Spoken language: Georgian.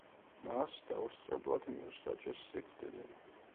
მას დაუსწრებლად მიუსაჯეს სიკვდილი.